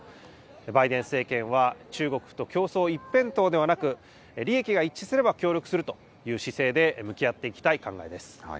バイデン政権は、中国と競争一辺倒ではなく、利益が一致すれば協力するという姿勢で向き合っていきたい考えです。